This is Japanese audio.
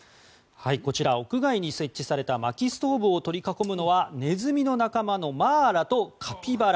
こちら、屋外に設置されたまきストーブを取り囲むのはネズミの仲間のマーラとカピバラ。